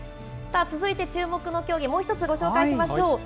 続いて、注目の競技、もう一つご紹介しましょう。